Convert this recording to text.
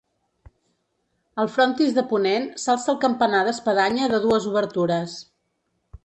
Al frontis de ponent s'alça el campanar d'espadanya de dues obertures.